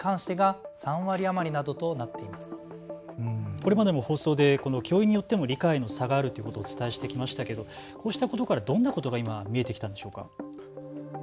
これまでも放送で教員によっても理解の差があるということをお伝えしてきましたけどこうしたことからどんなことが今、見えてきたんでしょうか。